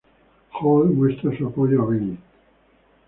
Hall muestra su apoyo a Ben.